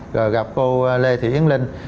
rồi gặp cô lê thị yến linh